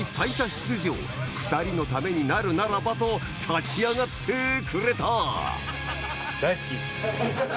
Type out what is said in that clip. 出場２人のためになるならばと立ち上がってくれた大好き。